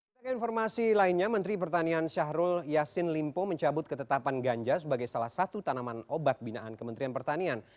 kita ke informasi lainnya menteri pertanian syahrul yassin limpo mencabut ketetapan ganja sebagai salah satu tanaman obat binaan kementerian pertanian